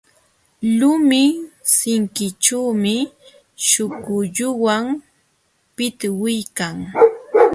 Lumi sinkićhuumi śhukulluway pitwiykan.